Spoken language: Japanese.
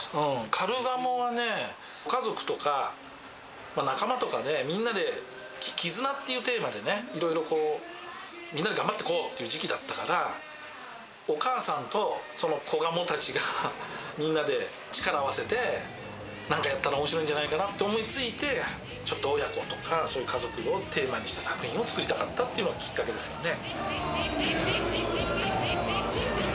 カルガモはね、家族とか仲間とかで、みんなで、絆っていうテーマでね、いろいろ、みんなで頑張ってこうっていう時期だったから、お母さんとコガモたちが、みんなで力を合わせて、なんかやったらおもしろいんじゃないかなって思いついて、ちょっと親子とか家族をテーマにした作品を作りたかったっていうのがきっかけですね。